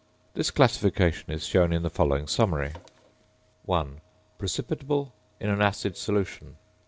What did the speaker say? This classification is shown in the following summary: 1. _Precipitable in an acid solution.